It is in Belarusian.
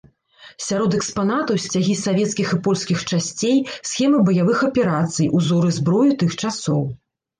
Сярод экспанатаў сцягі савецкіх і польскіх часцей, схемы баявых аперацый, узоры зброі тых часоў.